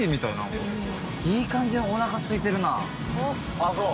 ああそう。